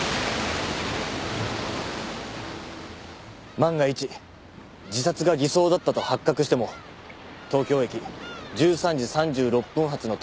万が一自殺が偽装だったと発覚しても東京駅１３時３６分発の東北新幹線に乗り